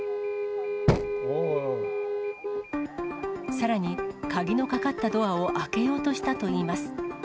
さらに、鍵のかかったドアを開けようとしたといいます。